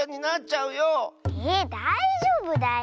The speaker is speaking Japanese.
えだいじょうぶだよ。